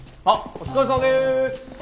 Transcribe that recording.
お疲れさまです。